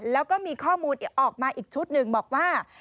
แล้วก็มีข้อมูลออกมาอีกชุดหนึ่งบอกว่า